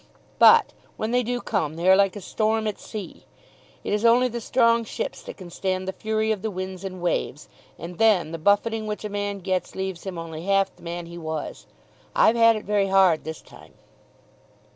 But when they do come, they are like a storm at sea. It is only the strong ships that can stand the fury of the winds and waves. And then the buffeting which a man gets leaves him only half the man he was. I've had it very hard this time."